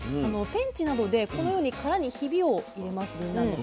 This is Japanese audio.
ペンチなどでこのように殻にひびを入れますぎんなんの。